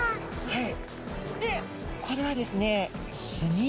はい。